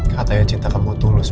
katanya cinta kamu tulus